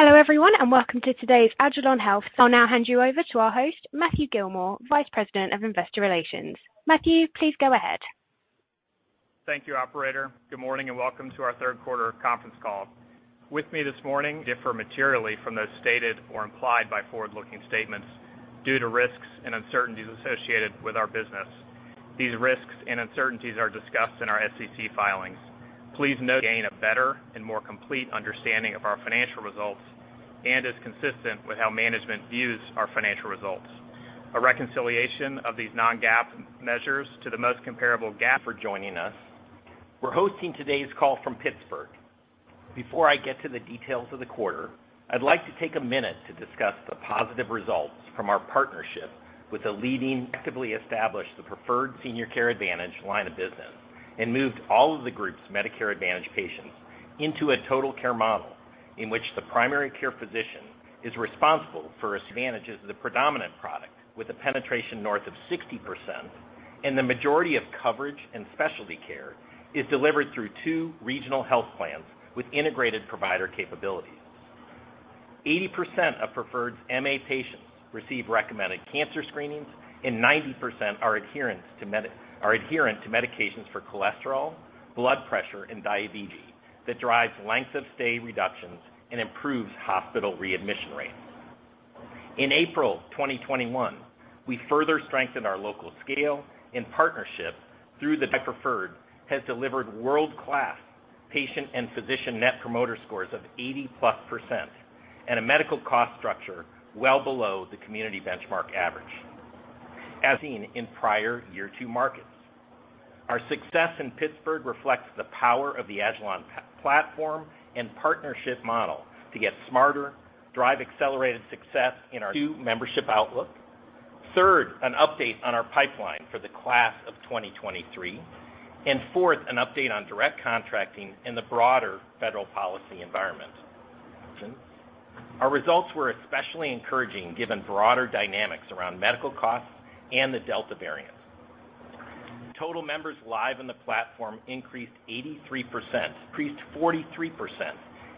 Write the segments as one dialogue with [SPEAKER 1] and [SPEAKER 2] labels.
[SPEAKER 1] Hello everyone, and welcome to today's agilon health. I'll now hand you over to our host, Matthew Gillmor, Vice President of Investor Relations. Matthew, please go ahead.
[SPEAKER 2] Thank you, operator. Good morning, and welcome to our Q3 conference call. Actual results may differ materially from those stated or implied by forward-looking statements due to risks and uncertainties associated with our business. These risks and uncertainties are discussed in our SEC filings. Please note that non-GAAP measures provide a better and more complete understanding of our financial results and is consistent with how management views our financial results. A reconciliation of these non-GAAP measures to the most comparable GAAP measures is included in our earnings release. Thank you for joining us. We're hosting today's call from Pittsburgh.
[SPEAKER 3] Before I get to the details of the quarter, I'd like to take a minute to discuss the positive results from our partnership. Actively established the Preferred Senior Care Advantage line of business and moved all of the group's Medicare Advantage patients into a total care model in which the primary care physician is responsible for. Advantage is the predominant product with a penetration north of 60%, and the majority of coverage and specialty care is delivered through two regional health plans with integrated provider capabilities. 80% of Preferred MA patients receive recommended cancer screenings, and 90% are adherent to medications for cholesterol, blood pressure, and diabetes that drives length of stay reductions and improves hospital readmission rates. In April 2021, we further strengthened our local scale in partnership. Preferred has delivered world-class patient and physician net promoter scores of 80%+ and a medical cost structure well below the community benchmark average, as seen in prior year 2 markets. Our success in Pittsburgh reflects the power of the agilon platform and partnership model to get smarter, drive accelerated success in our new membership outlook. Third, an update on our pipeline for the class of 2023. Fourth, an update on direct contracting in the broader federal policy environment. Our results were especially encouraging given broader dynamics around medical costs and the Delta variant. Total members live on the platform increased 43%,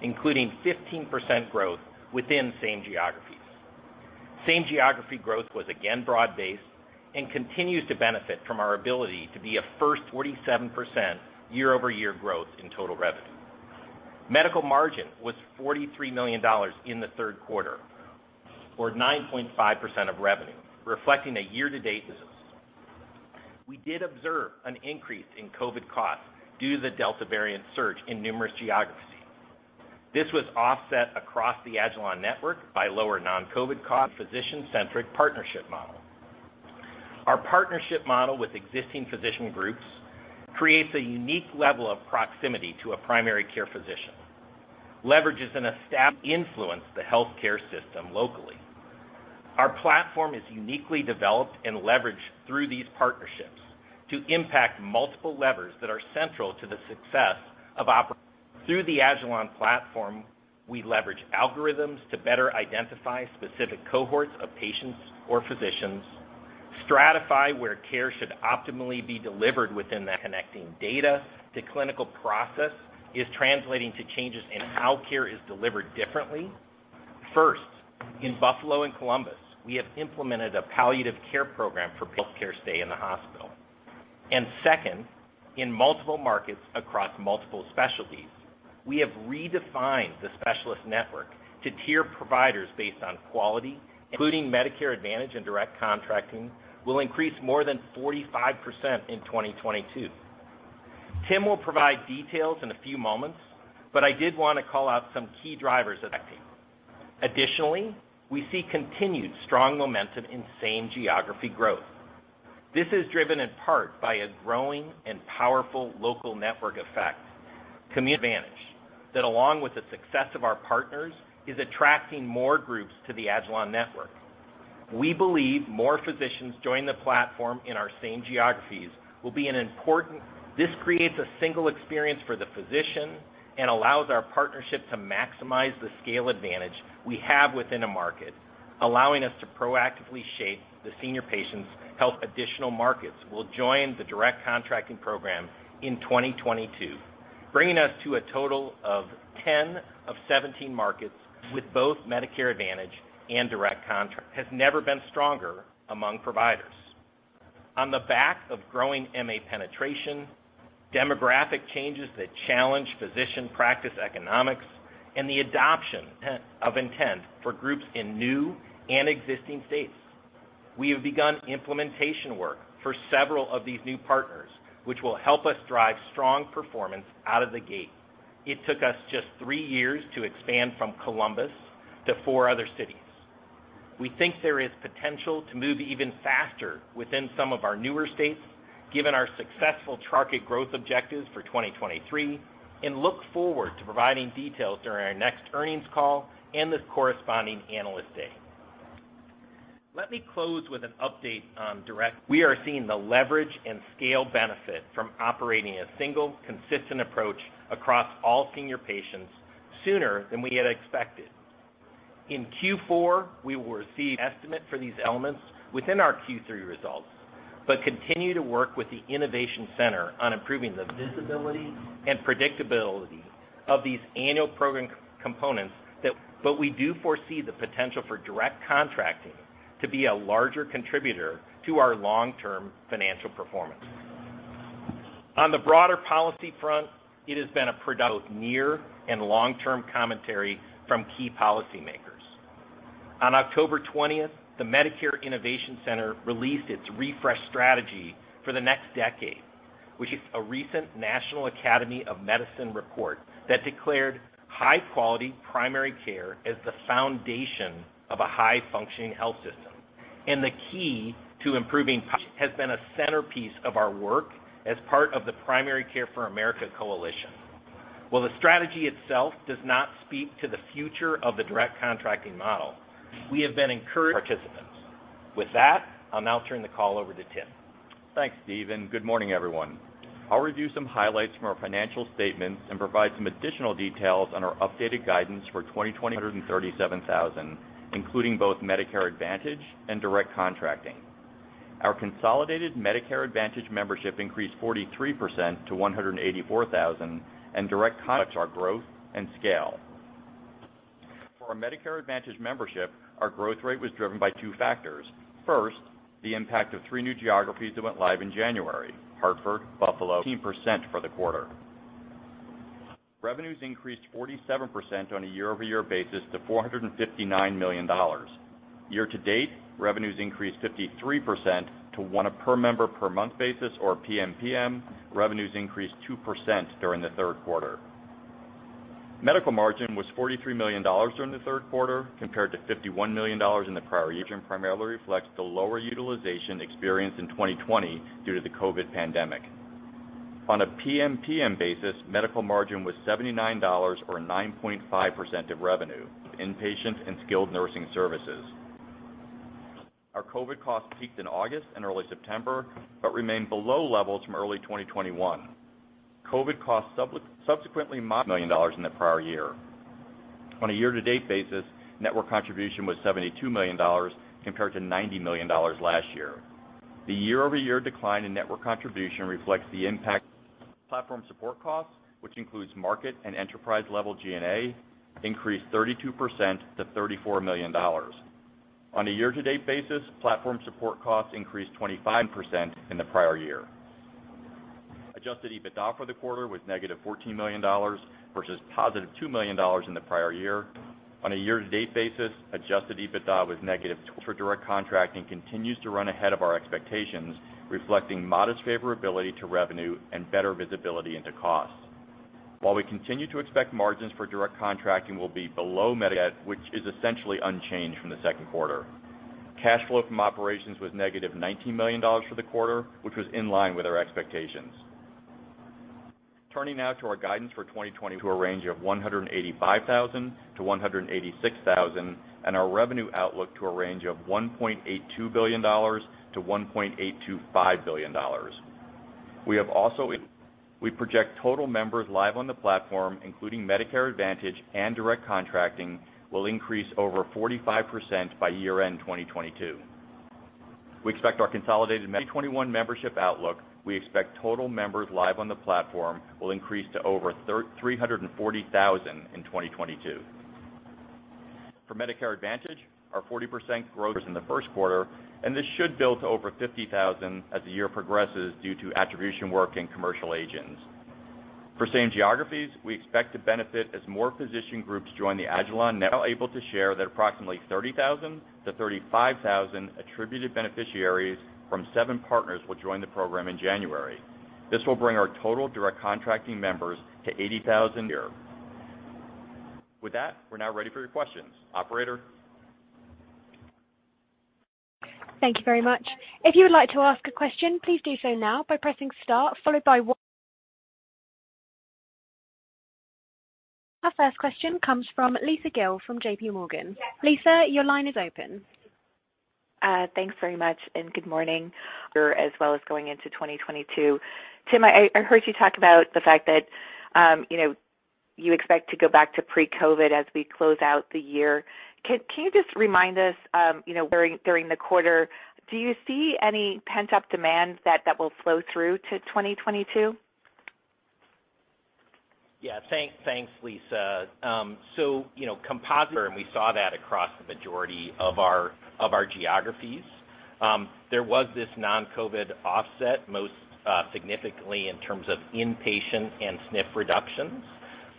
[SPEAKER 3] including 15% growth within the same geographies. Same-geography growth was again broad-based and continues to benefit from our ability to be a first. 47% year-over-year growth in total revenue. Medical margin was $43 million in the Q3, or 9.5% of revenue, reflecting a year-to-date. We did observe an increase in COVID costs due to the Delta variant surge in numerous geographies. This was offset across the agilon network by lower non-COVID costs. Physician-centric partnership model. Our partnership model with existing physician groups creates a unique level of proximity to a primary care physician, leverages an established influence the healthcare system locally. Through the agilon platform, we leverage algorithms to better identify specific cohorts of patients or physicians, stratify where care should optimally be delivered. Connecting data to clinical process is translating to changes in how care is delivered differently. First, in Buffalo and Columbus, we have implemented a palliative care program for health care stay in the hospital. Second, in multiple markets across multiple specialties, we have redefined the specialist network to tier providers based on quality. Including Medicare Advantage and direct contracting, will increase more than 45% in 2022. Tim will provide details in a few moments, but I did wanna call out some key drivers affecting. Additionally, we see continued strong momentum in same geography growth. This is driven in part by a growing and powerful local network effect. Community advantage that, along with the success of our partners, is attracting more groups to the agilon network. We believe more physicians joining the platform in our same geographies will be an important. This creates a single experience for the physician and allows our partnership to maximize the scale advantage we have within a market, allowing us to proactively shape the senior patient's health. Additional markets will join the direct contracting program in 2022, bringing us to a total of 10 of 17 markets with both Medicare Advantage and direct contracting. The interest has never been stronger among providers. On the back of growing MA penetration, demographic changes that challenge physician practice economics, and the adoption of incentives for groups in new and existing states. We have begun implementation work for several of these new partners, which will help us drive strong performance out of the gate. It took us just three years to expand from Columbus to four other cities. We think there is potential to move even faster within some of our newer states, given our successful track and growth objectives for 2023, and look forward to providing details during our next earnings call and the corresponding Analyst Day. Let me close with an update on direct contracting. We are seeing the leverage and scale benefit from operating a single, consistent approach across all senior patients sooner than we had expected. In Q4, we will receive estimates for these elements within our Q3 results, but continue to work with the CMS Innovation Center on improving the visibility and predictability of these annual program components. But we do foresee the potential for direct contracting to be a larger contributor to our long-term financial performance. On the broader policy front, it has been a productive year and long-term commentary from key policymakers. On October twentieth, the CMS Innovation Center released its refresh strategy for the next decade, which is a recent National Academy of Medicine report that declared high-quality primary care as the foundation of a high-functioning health system, and the key to improvement has been a centerpiece of our work as part of the Primary Care for America coalition. While the strategy itself does not speak to the future of the direct contracting model, we have been encouraged by participants. With that, I'll now turn the call over to Tim.
[SPEAKER 4] Thanks, Steve, and good morning, everyone. I'll review some highlights from our financial statements and provide some additional details on our updated guidance for 2023, 137,000, including both Medicare Advantage and direct contracting. Our consolidated Medicare Advantage membership increased 43% to 184,000, and direct contracting our growth and scale. For our Medicare Advantage membership, our growth rate was driven by two factors. First, the impact of three new geographies that went live in January, Hartford, Buffalo. 10% for the quarter. Revenues increased 47% on a year-over-year basis to $459 million. Year to date, revenues increased 53% to 1 per member per month basis, or PMPM. Revenues increased 2% during the Q3. Medical margin was $43 million during the Q3, compared to $51 million in the prior year. Primarily reflects the lower utilization experienced in 2020 due to the COVID pandemic. On a PMPM basis, medical margin was $79 or 9.5% of revenue from inpatient and skilled nursing services. Our COVID costs peaked in August and early September, but remained below levels from early 2021. On a year to date basis, network contribution was $72 million, compared to $90 million last year. The year-over-year decline in network contribution reflects the impact. Platform support costs, which includes market and enterprise-level G&A, increased 32% to $34 million. On a year to date basis, platform support costs increased 25% in the prior year. Adjusted EBITDA for the quarter was -$14 million versus $2 million in the prior year. On a year to date basis, adjusted EBITDA was negative. Direct contracting continues to run ahead of our expectations, reflecting modest favorability in revenue and better visibility into costs. While we continue to expect margins for direct contracting will be below MA, which is essentially unchanged from the Q2. Cash flow from operations was negative $19 million for the quarter, which was in line with our expectations. Turning now to our guidance for 2022 to a range of 185,000-186,000, and our revenue outlook to a range of $1.82 billion-$1.825 billion. We project total members live on the platform, including Medicare Advantage and direct contracting, will increase over 45% by year-end 2022. We expect our consolidated 2021 membership outlook. We expect total members live on the platform will increase to over 340,000 in 2022. For Medicare Advantage, our 40% growth was in the Q1, and this should build to over 50,000 as the year progresses due to attribution work in commercial agents. For same geographies, we expect to benefit as more physician groups join the agilon. Now able to share that approximately 30,000-35,000 attributed beneficiaries from seven partners will join the program in January. This will bring our total direct contracting members to 80,000 here. With that, we're now ready for your questions. Operator?
[SPEAKER 1] Thank you very much. If you would like to ask a question, please do so now by pressing star followed by one. Our first question comes from Lisa Gill from J.P. Morgan. Lisa, your line is open.
[SPEAKER 5] Thanks very much, and good morning. Tim, I heard you talk about the fact that, you know, you expect to go back to pre-COVID as we close out the year. Can you just remind us, you know, during the quarter, do you see any pent-up demand that will flow through to 2022?
[SPEAKER 3] Yeah. Thanks, Lisa. You know, composite, and we saw that across the majority of our geographies, there was this non-COVID offset, most significantly in terms of inpatient and SNF reductions.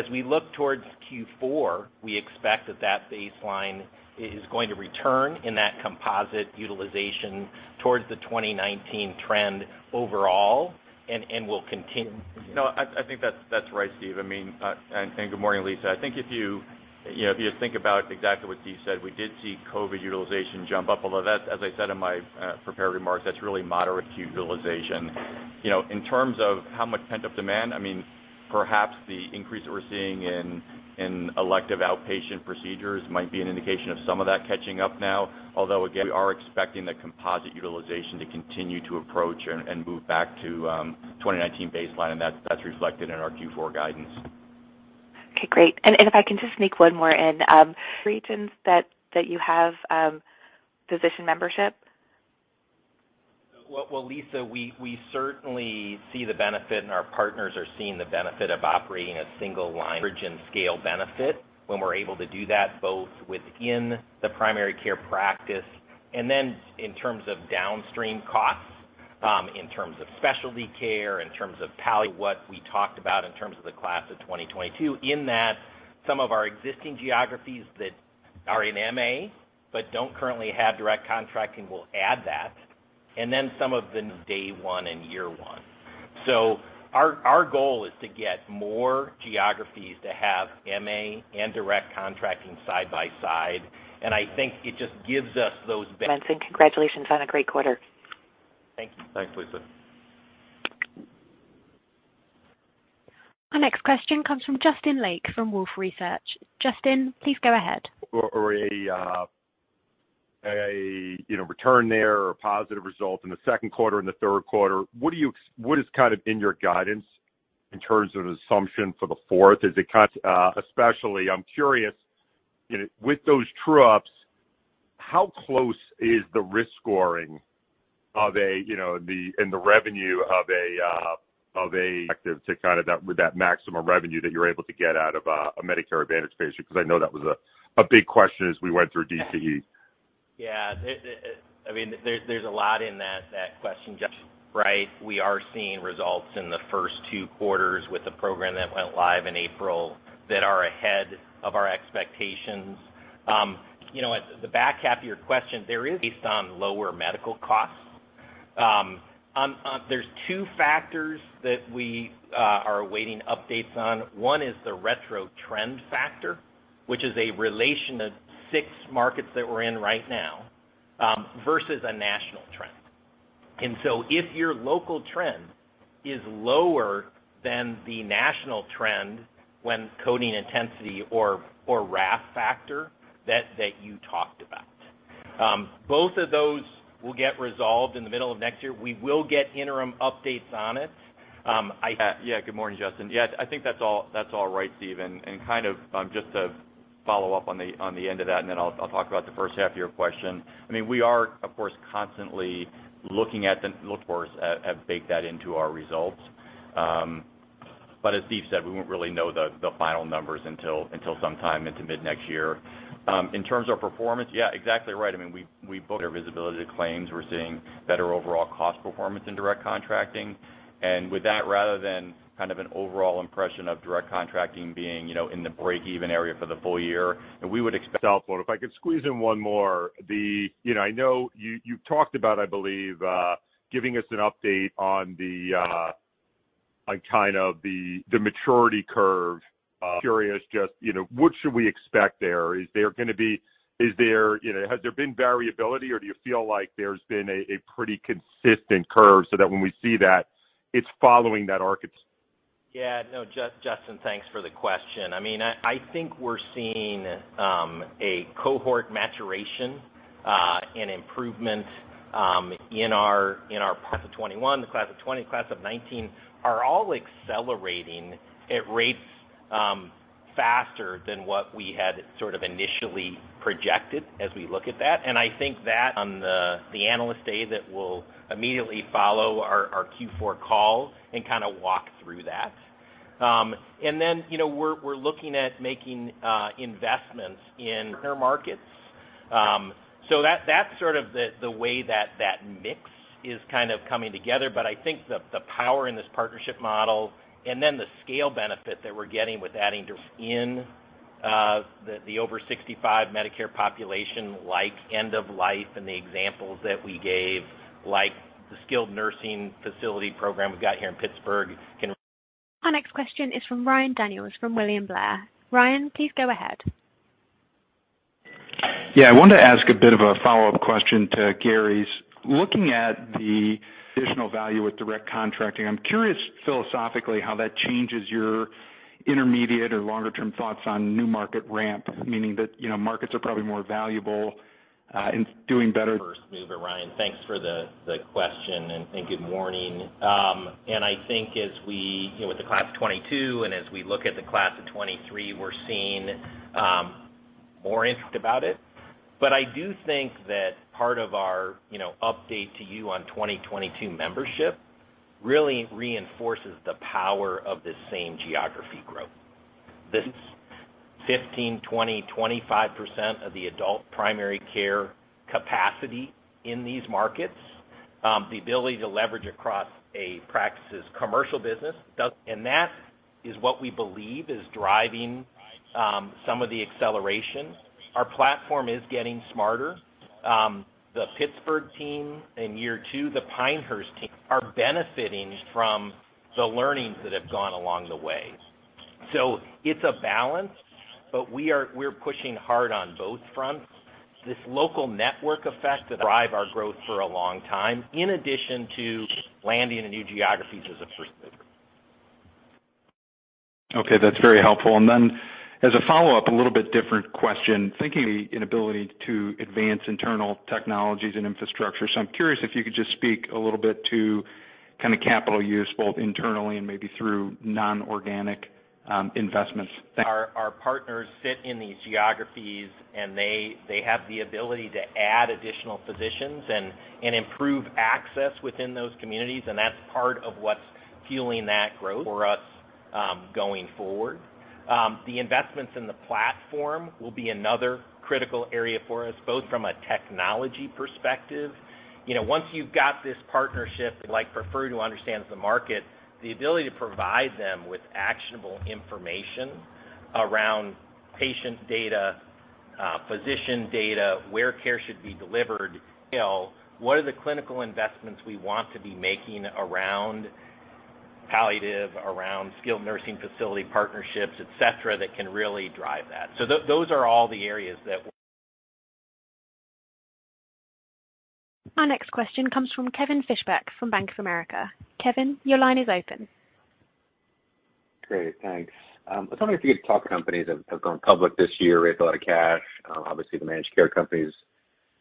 [SPEAKER 3] As we look towards Q4, we expect that baseline is going to return in that composite utilization towards the 2019 trend overall and will continue.
[SPEAKER 4] No, I think that's right, Steve. I mean, and good morning, Lisa. I think if you know, if you think about exactly what Steve said, we did see COVID utilization jump up. Although that, as I said in my prepared remarks, that's really moderate utilization. You know, in terms of how much pent-up demand, I mean, perhaps the increase that we're seeing in elective outpatient procedures might be an indication of some of that catching up now. Although, again, we are expecting the composite utilization to continue to approach and move back to 2019 baseline, and that's reflected in our Q4 guidance.
[SPEAKER 5] Okay, great. If I can just sneak one more in, regions that you have, physician membership
[SPEAKER 3] Well, Lisa, we certainly see the benefit and our partners are seeing the benefit of operating a single line origin scale benefit when we're able to do that both within the primary care practice and then in terms of downstream costs, in terms of specialty care, in terms of palliative what we talked about in terms of the class of 2022, in that some of our existing geographies that are in MA, but don't currently have direct contracting will add that. Then some of the day 1 and year 1. Our goal is to get more geographies to have MA and direct contracting side by side. I think it just gives us those.
[SPEAKER 5] Gentlemen. Congratulations on a great quarter.
[SPEAKER 3] Thank you.
[SPEAKER 4] Thanks, Lisa.
[SPEAKER 1] Our next question comes from Justin Lake from Wolfe Research. Justin, please go ahead.
[SPEAKER 6] You know, return there or positive result in the Q2, in the Q3, what is kind of in your guidance in terms of an assumption for the fourth? Is it especially, I'm curious, you know, with those true-ups, how close is the risk scoring of a, you know, in the revenue of an effective to kind of that, with that maximum revenue that you're able to get out of a Medicare Advantage patient, because I know that was a big question as we went through DCE.
[SPEAKER 3] Yeah. I mean, there's a lot in that question, Justin, right? We are seeing results in the first two quarters with the program that went live in April that are ahead of our expectations. You know, at the back half of your question, there is based on lower medical costs. There's two factors that we are awaiting updates on. One is the retro trend factor, which is a relation of six markets that we're in right now versus a national trend. If your local trend is lower than the national trend when coding intensity or RAF factor that you talked about. Both of those will get resolved in the middle of next year. We will get interim updates on it. I
[SPEAKER 4] Yeah. Good morning, Justin. Yeah. I think that's all right, Steve. Kind of just to follow up on the end of that, and then I'll talk about the first half of your question. I mean, we have baked that into our results. But as Steve said, we won't really know the final numbers until sometime into mid-next year. In terms of performance, yeah, exactly right. I mean, we booked our visibility to claims. We're seeing better overall cost performance in direct contracting. With that, rather than kind of an overall impression of direct contracting being, you know, in the break-even area for the full year, we would expect-
[SPEAKER 6] If I could squeeze in one more. You know, I know you've talked about, I believe, giving us an update on kind of the maturity curve. Curious, just, you know, what should we expect there? Is there, you know, has there been variability, or do you feel like there's been a pretty consistent curve so that when we see that, it's following that architecture.
[SPEAKER 3] Yeah. No. Justin, thanks for the question. I mean, I think we're seeing a cohort maturation and improvement in our class of 2021, the class of 2020, class of 2019 are all accelerating at rates faster than what we had sort of initially projected as we look at that. I think that on the Analyst Day that will immediately follow our Q4 call and kinda walk through that. You know, we're looking at making investments in current markets. That's sort of the way that mix is kind of coming together. I think the power in this partnership model and then the scale benefit that we're getting with adding just in the over sixty-five Medicare population like end of life and the examples that we gave, like the skilled nursing facility program we've got here in Pittsburgh can-
[SPEAKER 1] Our next question is from Ryan Daniels from William Blair. Ryan, please go ahead.
[SPEAKER 7] Yeah. I wanted to ask a bit of a follow-up question to Gary's. Looking at the additional value with direct contracting, I'm curious philosophically how that changes your intermediate or longer-term thoughts on new market ramp, meaning that, you know, markets are probably more valuable in doing better.
[SPEAKER 3] First mover, Ryan. Thanks for the question, and good morning. I think as we, you know, with the class of 2022 and as we look at the class of 2023, we're seeing more interest about it. I do think that part of our, you know, update to you on 2022 membership really reinforces the power of the same geography growth. This 15, 20, 25 percent of the adult primary care capacity in these markets, the ability to leverage across a practice's commercial business. That is what we believe is driving some of the acceleration. Our platform is getting smarter. The Pittsburgh team in year two, the Pinehurst team, are benefiting from the learnings that have gone along the way. It's a balance, but we're pushing hard on both fronts. This local network effect to drive our growth for a long time, in addition to landing in new geographies as a first mover.
[SPEAKER 7] Okay. That's very helpful. As a follow-up, a little bit different question, thinking the inability to advance internal technologies and infrastructure. I'm curious if you could just speak a little bit to kind of capital use both internally and maybe through non-organic, investments.
[SPEAKER 3] Our partners sit in these geographies and they have the ability to add additional physicians and improve access within those communities, and that's part of what's fueling that growth for us, going forward. The investments in the platform will be another critical area for us, both from a technology perspective. You know, once you've got this partnership, like Preferred, who understands the market, the ability to provide them with actionable information around patient data, physician data, where care should be delivered. You know, what are the clinical investments we want to be making around palliative, around skilled nursing facility partnerships, et cetera, that can really drive that. Those are all the areas that-
[SPEAKER 1] Our next question comes from Kevin Fischbeck from Bank of America. Kevin, your line is open.
[SPEAKER 8] Great. Thanks. I was wondering if you could talk about how companies have gone public this year, raised a lot of cash. Obviously, the managed care companies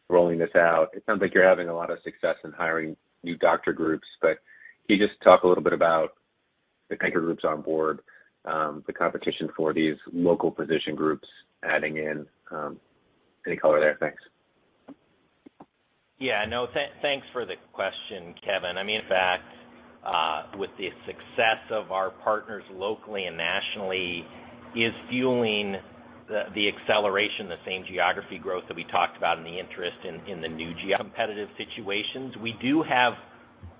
[SPEAKER 8] are rolling this out. It sounds like you're having a lot of success in hiring new doctor groups, but can you just talk a little bit about the kind of groups on board, the competition for these local physician groups adding in, any color there? Thanks.
[SPEAKER 3] Yeah, no. Thanks for the question, Kevin. I mean, in fact, with the success of our partners locally and nationally is fueling the acceleration, the same geography growth that we talked about and the interest in the new geographic competitive situations. We do have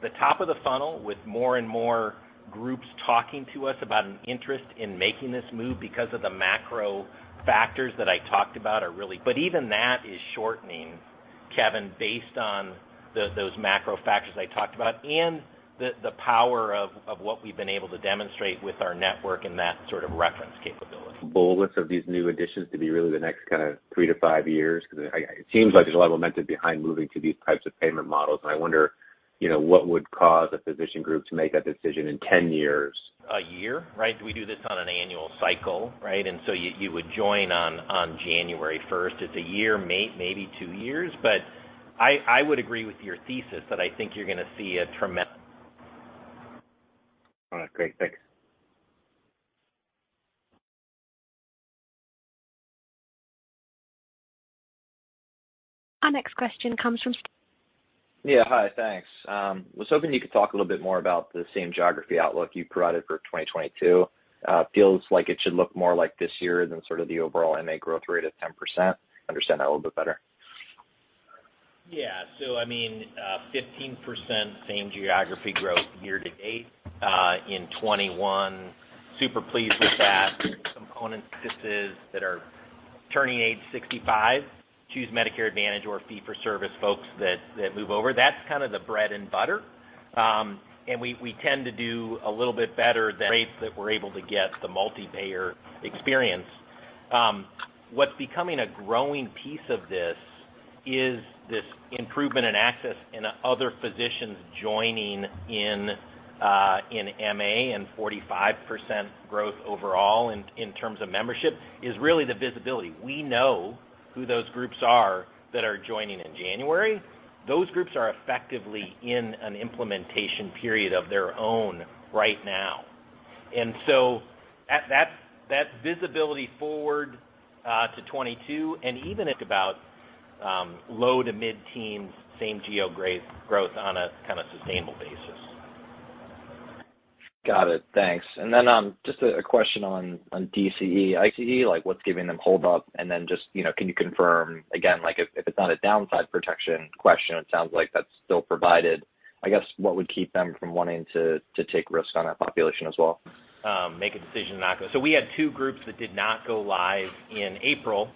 [SPEAKER 3] the top of the funnel with more and more groups talking to us about an interest in making this move because of the macro factors that I talked about. Even that is shortening, Kevin, based on those macro factors I talked about and the power of what we've been able to demonstrate with our network and that sort of reference capability.
[SPEAKER 8] bullish are you on these new additions to be really the next kinda three to five years? 'Cause it seems like there's a lot of momentum behind moving to these types of payment models, and I wonder, you know, what would cause a physician group to make that decision in ten years?
[SPEAKER 3] A year, right? We do this on an annual cycle, right? You would join on 1 January. It's a year, maybe two years. I would agree with your thesis that I think you're gonna see a tremendous.
[SPEAKER 8] All right. Great. Thanks.
[SPEAKER 1] Our next question comes from.
[SPEAKER 9] Yeah. Hi. Thanks. I was hoping you could talk a little bit more about the same geography outlook you provided for 2022. It feels like it should look more like this year than sort of the overall MA growth rate of 10%. Help me understand that a little bit better.
[SPEAKER 3] Yeah. I mean, 15% same geography growth year to date in 2021. Super pleased with that. Components, this is that are turning age 65, choose Medicare Advantage or fee-for-service folks that move over. That's kind of the bread and butter. We tend to do a little bit better than rates that we're able to get the multi-payer experience. What's becoming a growing piece of this is this improvement in access and other physicians joining in MA and 45% growth overall in terms of membership is really the visibility. We know who those groups are that are joining in January. Those groups are effectively in an implementation period of their own right now. That visibility forward to 2022 and even think about low- to mid-teens% same geographic growth on a kinda sustainable basis.
[SPEAKER 9] Got it. Thanks. Just a question on DCEs. Like what's giving them hold up, and then just, you know, can you confirm again, like if it's not a downside protection question, it sounds like that's still provided. I guess, what would keep them from wanting to take risks on our population as well?
[SPEAKER 3] We had two groups that did not go live in April,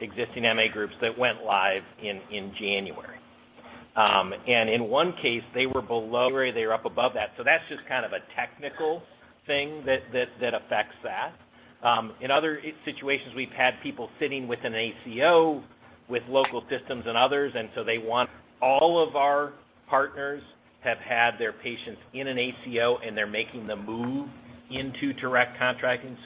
[SPEAKER 3] existing MA groups that went live in January. In one case, they were below January. They were up above that. That's just kind of a technical thing that affects that. In other situations, we've had people sitting with an ACO with local systems and others. All of our partners have had their patients in an ACO, and they're making the move into direct contracting.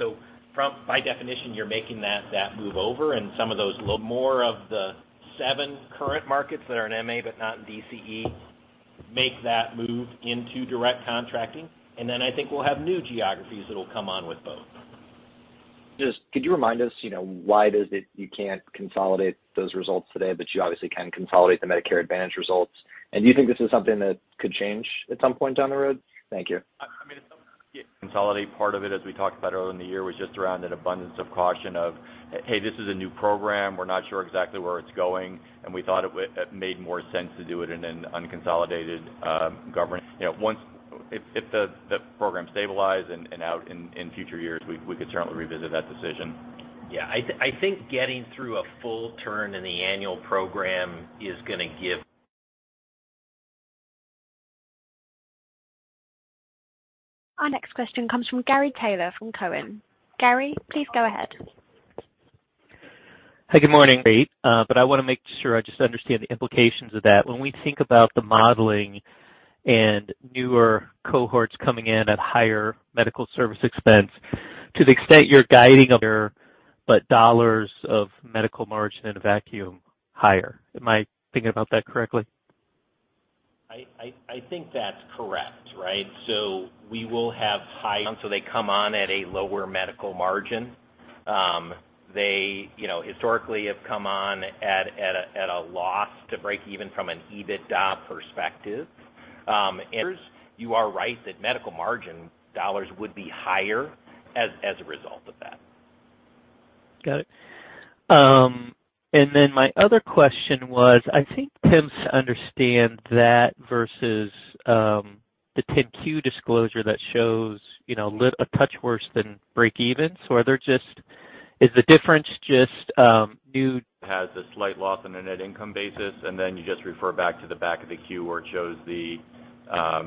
[SPEAKER 3] By definition, you're making that move over and some of those, more of the seven current markets that are in MA, but not in DCE, make that move into direct contracting. Then I think we'll have new geographies that'll come on with both.
[SPEAKER 9] Just could you remind us, you know, why it is that you can't consolidate those results today, but you obviously can consolidate the Medicare Advantage results? Do you think this is something that could change at some point down the road? Thank you.
[SPEAKER 4] I mean, consolidation part of it, as we talked about earlier in the year, was just around an abundance of caution. Hey, this is a new program. We're not sure exactly where it's going, and we thought it made more sense to do it in an unconsolidated governance. You know, once, if the program stabilizes and in future years, we could certainly revisit that decision.
[SPEAKER 3] Yeah. I think getting through a full turn in the annual program is gonna give-
[SPEAKER 1] Our next question comes from Gary Taylor from Cowen. Gary, please go ahead.
[SPEAKER 10] Hi. Good morning. Great. I wanna make sure I just understand the implications of that. When we think about the modeling and newer cohorts coming in at higher medical service expense, to the extent you're guiding dollars of medical margin in a vacuum higher, am I thinking about that correctly?
[SPEAKER 3] I think that's correct, right? They come on at a lower medical margin. They, you know, historically have come on at a loss to break even from an EBITDA perspective. You are right that medical margin dollars would be higher as a result of that.
[SPEAKER 10] Got it. Then my other question was, I think Tim understands that versus the 10-Q disclosure that shows, you know, it's a touch worse than break-even. Is the difference just new-
[SPEAKER 3] has a slight loss on a net income basis, and then you just refer back to the back of the deck where it shows the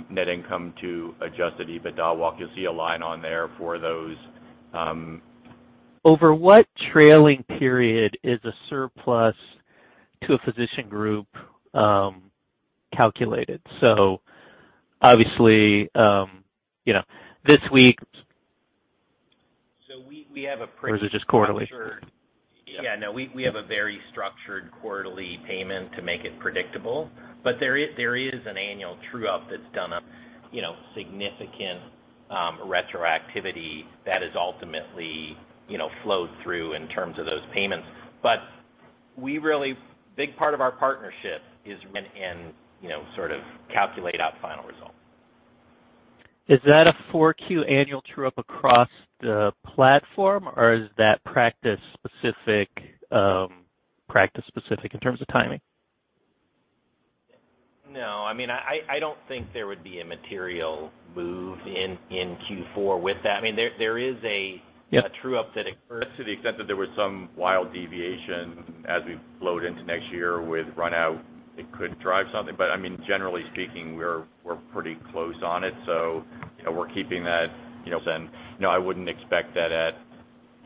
[SPEAKER 3] net income to adjusted EBITDA walk. You'll see a line on there for those,
[SPEAKER 10] Over what trailing period is a surplus to a physician group calculated? Obviously, you know, this week-
[SPEAKER 3] We have a pretty
[SPEAKER 10] Is it just quarterly?
[SPEAKER 3] Yeah, no, we have a very structured quarterly payment to make it predictable. There is an annual true-up that's done, you know, significant retroactivity that is ultimately, you know, flowed through in terms of those payments. A big part of our partnership is in, you know, sort of calculate out final results.
[SPEAKER 10] Is that a Q4 annual true-up across the platform, or is that practice-specific in terms of timing?
[SPEAKER 3] No, I mean, I don't think there would be a material move in Q4 with that.
[SPEAKER 10] Yeah.
[SPEAKER 4] The true up that occurs to the extent that there was some wild deviation as we flowed into next year with run out, it could drive something. But I mean, generally speaking, we're pretty close on it, so, you know, we're keeping that, you know. I wouldn't expect that at,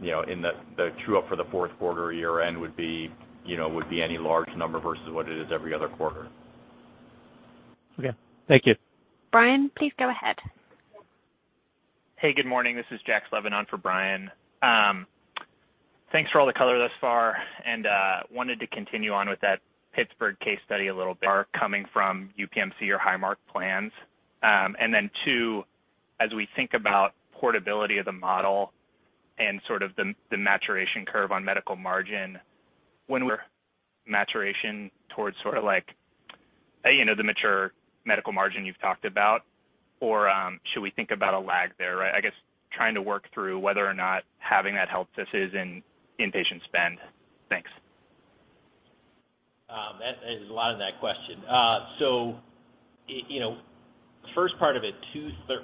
[SPEAKER 4] you know, in the true up for the fourth quarter year end would be, you know, would be any large number versus what it is every other quarter.
[SPEAKER 10] Okay. Thank you.
[SPEAKER 1] Brian, please go ahead.
[SPEAKER 11] Hey, good morning. This is Jack Slevin on for Brian. Thanks for all the color thus far, and wanted to continue on with that Pittsburgh case study a little bit, are coming from UPMC or Highmark plans. And then two, as we think about portability of the model and sort of the maturation curve on medical margin, when we're maturation towards sorta like the mature medical margin you've talked about or should we think about a lag there, right? I guess trying to work through whether or not having that health system is in inpatient spend. Thanks.
[SPEAKER 3] That is a lot in that question. You know, first part of it,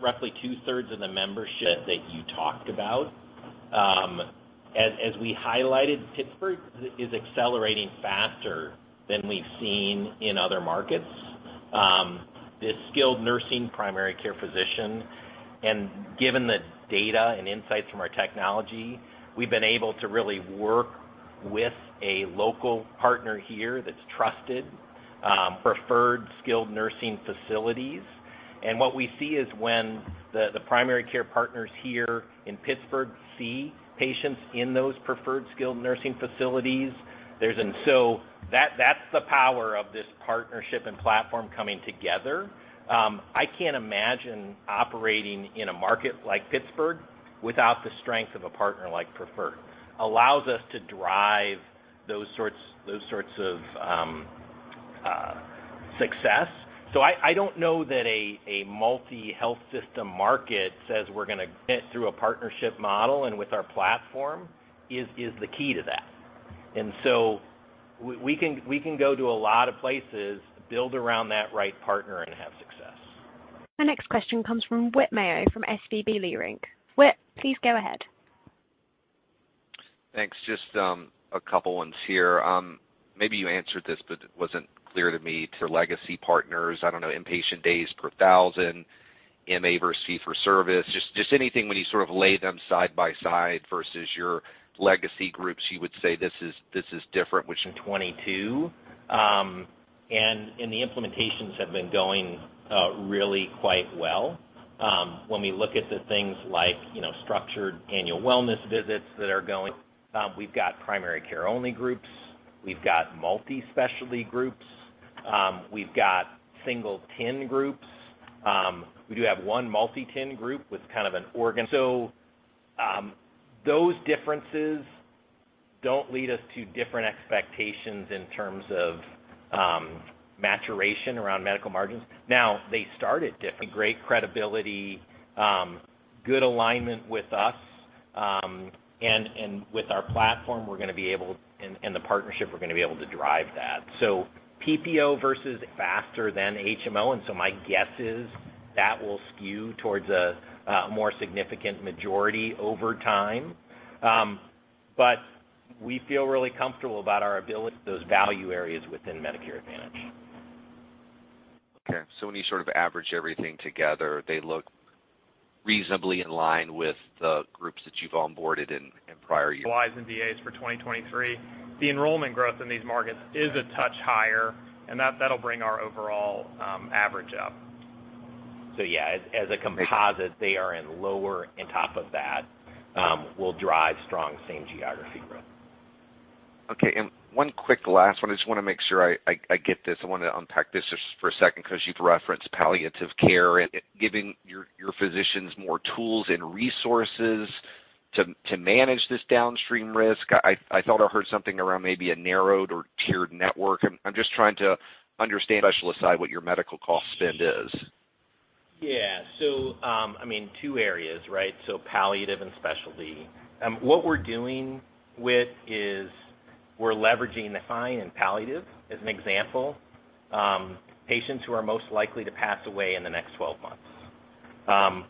[SPEAKER 3] roughly two-thirds of the membership that you talked about, as we highlighted, Pittsburgh is accelerating faster than we've seen in other markets. This skilled nursing primary care physician, and given the data and insights from our technology, we've been able to really work with a local partner here that's trusted, preferred skilled nursing facilities. What we see is when the primary care partners here in Pittsburgh see patients in those preferred skilled nursing facilities, there's that's the power of this partnership and platform coming together. I can't imagine operating in a market like Pittsburgh without the strength of a partner like Preferred. Allows us to drive those sorts of success. I don't know that a multi-health system market says we're gonna fit through a partnership model and with our platform is the key to that. We can go to a lot of places, build around that right partner, and have success.
[SPEAKER 1] The next question comes from Whit Mayo from SVB Leerink. Whit, please go ahead.
[SPEAKER 12] Thanks. Just a couple ones here. Maybe you answered this, but it wasn't clear to me to legacy partners. I don't know, inpatient days per 1,000, MA versus fee for service. Just anything when you sort of lay them side by side versus your legacy groups, you would say, this is different, which in 2022.
[SPEAKER 3] The implementations have been going really quite well. When we look at the things like, you know, structured annual wellness visits that are going, we've got primary care only groups. We've got multi-specialty groups. We've got single TIN groups. We do have one multi-TIN group with kind of an origin. Those differences don't lead us to different expectations in terms of maturation around medical margins. Now they started different, great credibility, good alignment with us, and with our platform and the partnership, we're gonna be able to drive that. PPO versus faster than HMO, my guess is that will skew towards a more significant majority over time. We feel really comfortable about our ability, those value areas within Medicare Advantage.
[SPEAKER 12] Okay. When you sort of average everything together, they look reasonably in line with the groups that you've onboarded in prior years.
[SPEAKER 3] Lives and VAs for 2023. The enrollment growth in these markets is a touch higher, and that'll bring our overall average up.
[SPEAKER 12] Yeah, as a composite, they are in lower.
[SPEAKER 3] On top of that, will drive strong same-geography growth.
[SPEAKER 12] Okay. One quick last one. I just wanna make sure I get this. I wanna unpack this just for a second 'cause you've referenced palliative care and giving your physicians more tools and resources to manage this downstream risk. I thought I heard something around maybe a narrowed or tiered network. I'm just trying to understand specialist side what your medical cost spend is.
[SPEAKER 3] I mean, two areas, right? Palliative and specialty. What we're doing is we're leveraging the funnel in palliative. As an example, patients who are most likely to pass away in the next 12 months.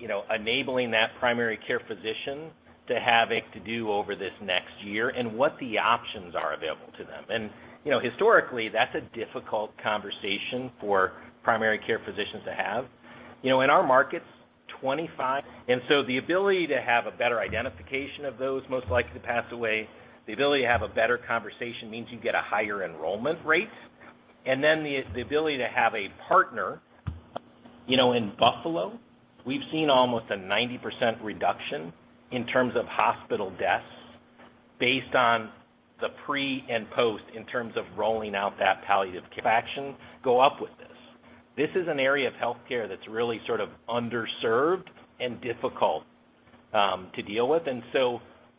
[SPEAKER 3] You know, enabling that primary care physician to have to do over this next year and what the options are available to them. You know, historically, that's a difficult conversation for primary care physicians to have. You know, in our markets, 25. The ability to have a better identification of those most likely to pass away, the ability to have a better conversation means you get a higher enrollment rate. The ability to have a partner. You know, in Buffalo, we've seen almost a 90% reduction in terms of hospital deaths based on the pre and post in terms of rolling out that palliative care program with this. This is an area of healthcare that's really sort of underserved and difficult to deal with.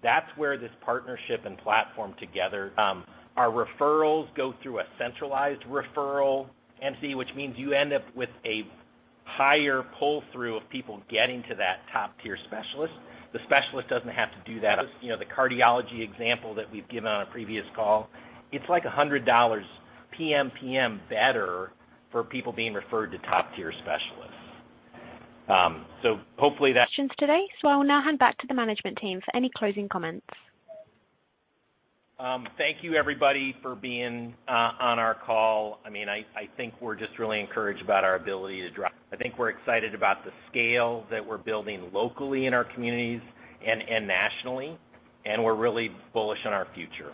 [SPEAKER 3] That's where this partnership and platform together, our referrals go through a centralized referral MC, which means you end up with a higher pull-through of people getting to that top-tier specialist. The specialist doesn't have to do that. You know, the cardiology example that we've given on a previous call, it's like $100 PMPM better for people being referred to top-tier specialists. Hopefully that.
[SPEAKER 1] Questions today. I will now hand back to the management team for any closing comments.
[SPEAKER 3] Thank you, everybody, for being on our call. I mean, I think we're just really encouraged about our ability to drive. I think we're excited about the scale that we're building locally in our communities and nationally, and we're really bullish on our future.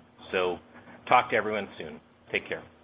[SPEAKER 3] Talk to everyone soon. Take care.